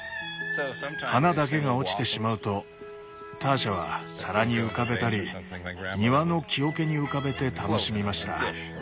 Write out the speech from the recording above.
花だけが落ちてしまうとターシャは皿に浮かべたり庭の木桶に浮かべて楽しみました。